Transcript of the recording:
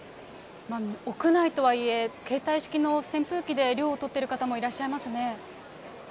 屋内とはいえ、携帯式の扇風機で涼をとってる方もいらっしゃいますね。